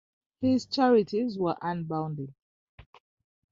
His charities were unbounded.